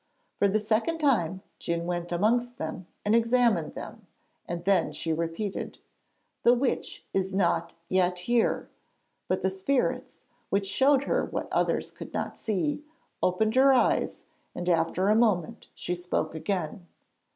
For the second time Djun went among them and examined them, and then she repeated: 'The witch is not yet here.' But the spirits, which showed her what others could not see, opened her eyes, and after a moment she spoke again.